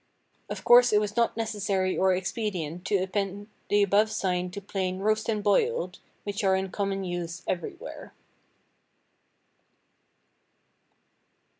Of course it was not necessary or expedient to append the above sign to plain "roast and boiled," which are in common use everywhere.